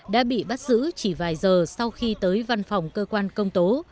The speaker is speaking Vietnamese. đã bị bắt giữ chỉ vài giờ sau khi tới văn phòng cơ quan công tố